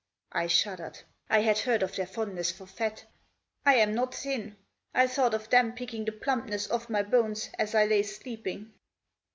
I shuddered. I had heard of their fondness for fat. I am not thin. I thought of them picking the plumpness off my bones as I lay sleeping.